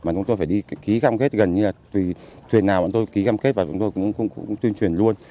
mà chúng tôi phải đi ký cam kết gần như là tùy thuyền nào bọn tôi ký cam kết và chúng tôi cũng thuyền truyền luôn